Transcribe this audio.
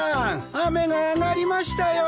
雨が上がりましたよ！